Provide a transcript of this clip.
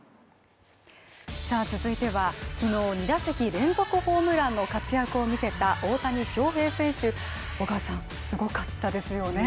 さあ続いては、昨日２打席連続ホームランの活躍を見せた大谷翔平選手すごかったですよね